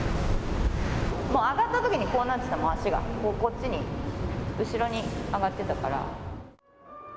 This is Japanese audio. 上がったときにこうなってた足が、こう、こっちに、後ろに上がってたから。